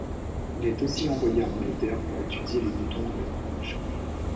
Il est aussi envoyé en Angleterre pour étudier les moutons à laine rouge.